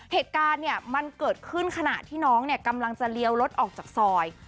เหตุการณ์เนี่ยมันเกิดขึ้นขณะที่น้องเนี่ยกำลังจะเลี้ยวรถออกจากซอย